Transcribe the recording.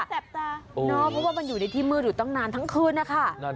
แปบตาเนอะเพราะว่ามันอยู่ในที่มืดอยู่ตั้งนานทั้งคืนนะคะ